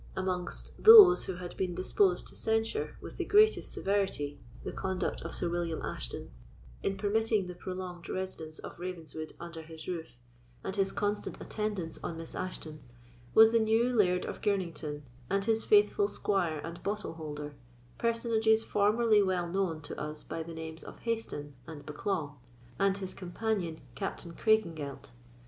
Amongst those who had been disposed to censure, with the greatest severity, the conduct of Sir William Ashton, in permitting the prolonged residence of Ravenswood under his roof, and his constant attendance on Miss Ashton, was the new Laird of Girnington, and his faithful squire and bottleholder, personages formerly well known to us by the names of Hayston and Bucklaw, and his companion Captain Craigengelt.